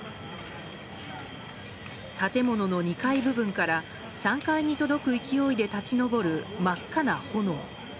建物の２階部分から３階に届く勢いで立ち上る真っ赤な炎。